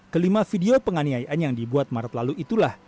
kelima video penganiayaan yang dibuat maret lalu itulah